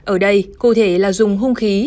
ở đây cụ thể là dùng hung khí